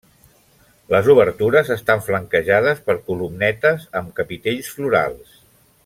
Les obertures estan flanquejades per columnetes amb capitells florals.